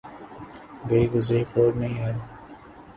گئی گزری فوج نہیں ہے۔